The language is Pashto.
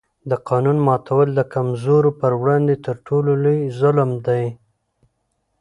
د قانون ماتول د کمزورو پر وړاندې تر ټولو لوی ظلم دی